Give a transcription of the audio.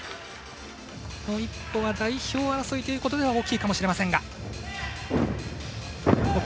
この１歩代表争いということでは大きいかもしれませんが。